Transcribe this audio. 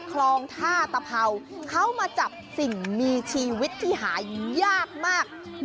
คลองท่าตะเผาเขามาจับสิ่งมีชีวิตที่หายากมาก